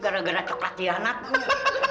gara gara coklat tiana tuh